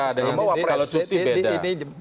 kalau cuti beda